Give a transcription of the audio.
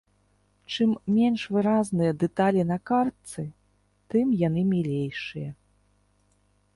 Чым менш выразныя дэталі на картцы, тым яны мілейшыя.